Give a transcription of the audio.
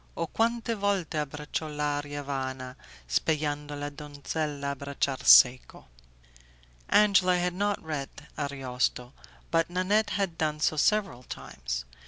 O quante volte abbraccio l'aria vana Speyando la donzella abbracciar seco'. Angela had not read Ariosto, but Nanette had done so several times.